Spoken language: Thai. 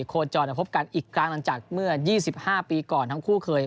โคลดจอห์นจะพบกันอีกครั้งหลังจากเมื่อยี่สิบห้าปีก่อนทั้งคู่เคย